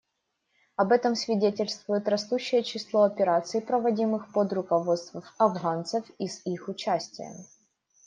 Об этом свидетельствует растущее число операций, проводимых под руководством афганцев и с их участием.